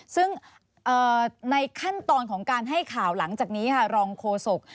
ซึ่งในขั้นตอนของการให้ข่าวหลังจากนี้ค่ะรองโฆษก